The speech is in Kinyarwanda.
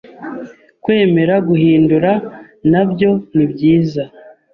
Kwemera guhinduka nabyo nibyiza